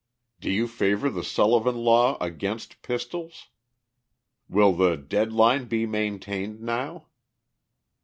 "Do you favor the Sullivan law against pistols?" "Will the 'dead line' be maintained now?"